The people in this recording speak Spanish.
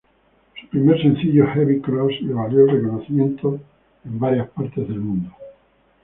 Su primer sencillo "Heavy Cross", le valió el reconocimiento en varias partes del mundo.